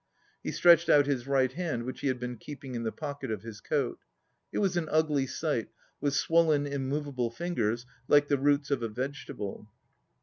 He stretched out his right hand, which he had been keeping in the pocket of his coat. It was an ugly sight, with swollen, immovable fingers, like the roots of a vegetable.